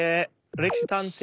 「歴史探偵」